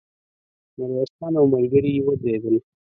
ميرويس خان او ملګري يې ودرېدل.